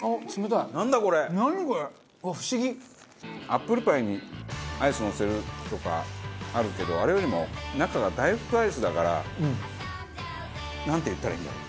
アップルパイにアイスのせるとかあるけどあれよりも中が大福アイスだからなんて言ったらいいんだろう？